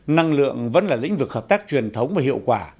năng lượng vẫn là lĩnh vực hợp tác truyền thống và hiệu quả